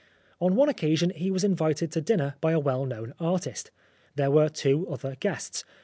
On one occasion he was invited to dinner by a well known artist. There were two other guests.